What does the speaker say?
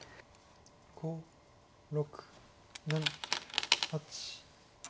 ５６７８。